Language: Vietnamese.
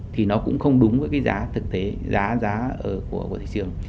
thì nó cũng không đúng với giá thực tế giá của thị trường